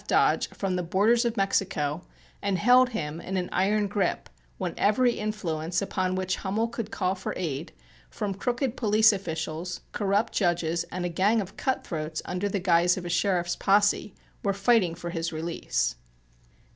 Dodge from the borders of Mexico and held him in an iron grip when every influence upon which Hummel could call for aid, from crooked police officials, corrupt judges and a gang of cutthroats under the guise of a sheriff's posse, were fighting for his release.